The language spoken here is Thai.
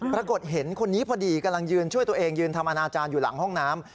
ปรากฏเห็นคนนี้พอดีกำลังยืนช่วยตัวเองยืนทำอนาจารย์อยู่หลังห้องน้ำ